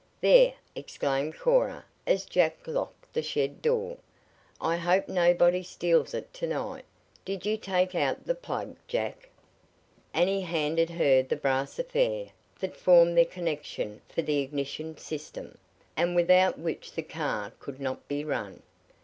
"There!" exclaimed Cora as Jack locked the shed door. "I hope nobody steals it to night. Did you take out the plug, Jack?" "Here you are," and he handed her the brass affair that formed the connection for the ignition system, and without which the car could not be run.